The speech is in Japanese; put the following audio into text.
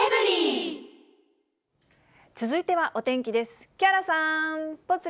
続いてはお天気です。